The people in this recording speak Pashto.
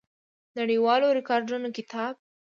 نړیوالو ریکارډونو کتاب